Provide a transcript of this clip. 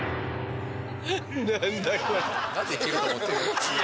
何だこれ。